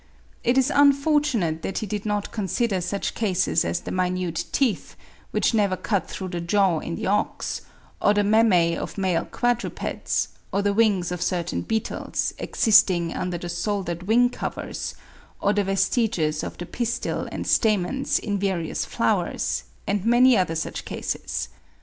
It is unfortunate that he did not consider such cases as the minute teeth, which never cut through the jaw in the ox, or the mammae of male quadrupeds, or the wings of certain beetles, existing under the soldered wing covers, or the vestiges of the pistil and stamens in various flowers, and many other such cases.